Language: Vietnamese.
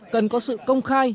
cần có sự công khai